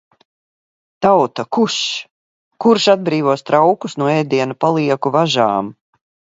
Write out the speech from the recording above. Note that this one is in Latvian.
Tauta, kuš! Kurš atbrīvos traukus no ēdiena palieku važām?